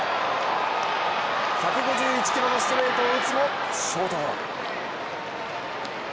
１５１キロのストレートを打つもショートゴロ。